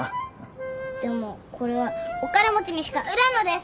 でもこれはお金持ちにしか売らんのです。